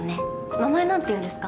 名前なんて言うんですか？